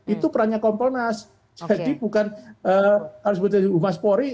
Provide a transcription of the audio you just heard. itu perannya kompon mas jadi bukan harus dibilang mas pori